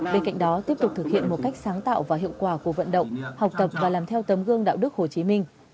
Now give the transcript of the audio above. bên cạnh đó tiếp tục thực hiện một cách sáng tạo và hiệu quả của vận động học tập và làm theo tấm gương đạo đức hồ chí minh